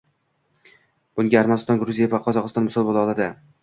Bunga Armaniston, Gruziya va Qozog'iston misol bo'la oladi